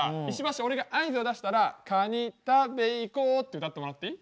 俺が合図を出したら「カニ食べ行こう」って歌ってもらっていい？